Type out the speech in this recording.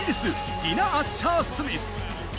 ディナ・アッシャー・スミス。